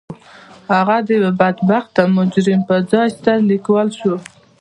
هغه د يوه بدبخته مجرم پر ځای ستر ليکوال شو.